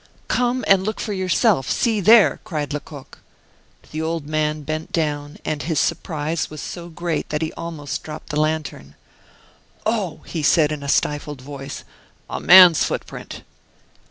"Come and look for yourself, see there!" cried Lecoq. The old man bent down, and his surprise was so great that he almost dropped the lantern. "Oh!" said he in a stifled voice, "a man's footprint!"